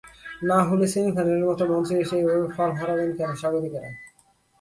না হলে সেমিফাইনালের মতো মঞ্চে এসে এভাবে ফর্ম হারাবে কেন স্বাগতিকেরা।